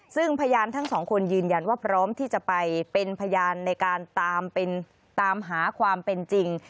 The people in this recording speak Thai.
ซึ่งพยานทั้งสองคนยืนยันว่าพร้อมที่จะไปเป็นพยานในการตามหาความเป็นจริง